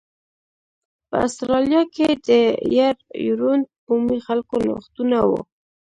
په اسټرالیا کې د یر یورونټ بومي خلکو نوښتونه و